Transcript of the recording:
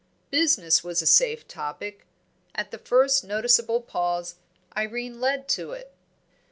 Business was a safe topic; at the first noticeable pause, Irene led to it.